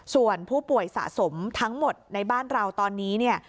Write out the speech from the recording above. ส่วนผู้ป่วยสะสมทั้งหมดในบ้านเราตอนนี้เนี่ย